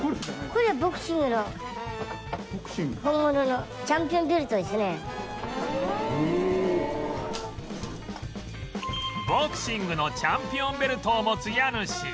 ボクシングのチャンピオンベルトを持つ家主